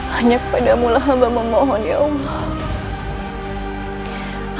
hanya padamulah hamba memohon ya allah